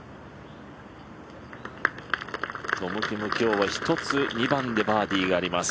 トム・キム今日は１つ、２番でバーディーがあります。